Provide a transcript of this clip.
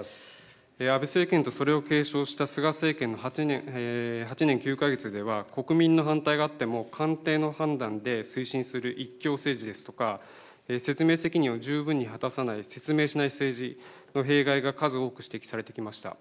安倍政権とそれを継承した菅政権の８年９か月では、国民の反対があっても官邸の判断で推進する一強政治ですとか、説明責任を十分に果たさない説明しない政治の弊害が数多く指摘されてきました。